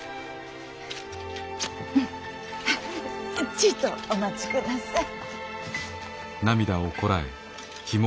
ちいとお待ちください。